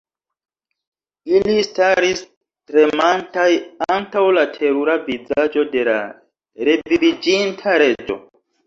Ili staris tremantaj antaŭ la terura vizaĝo de la reviviĝinta Reĝo.